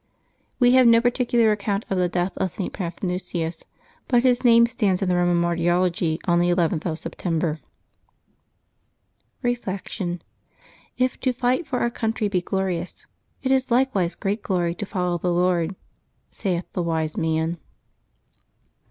We have no particular account of the death of St. Paphnutius, but his name stands in the Roman Martyrology on the 11th of September. Reflection. — If to fight for our country be glorious, " it is likewise great glory to follow the Lord,'' saith the Wise Man.